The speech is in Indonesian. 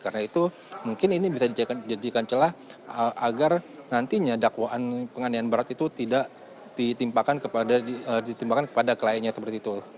karena itu mungkin ini bisa dijadikan celah agar nantinya dakwaan pengandian berat itu tidak ditimpakan kepada kliennya seperti itu